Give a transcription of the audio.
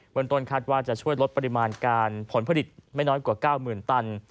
เมืองต้นคาดว่าจะช่วยลดปริมาณการผลผลิตไม่น้อยกว่า๙๐๐ตัน